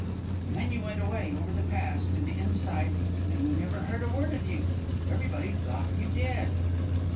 "And then you went away, over the Pass, to the Inside, and we never heard a word of you. Everybody thought you dead."